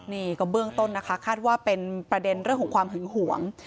นี่ก็เบื้องต้นนะคะคาดว่าเป็นประเด็นเรื่องของความหึงหวง